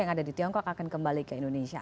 yang ada di tiongkok akan kembali ke indonesia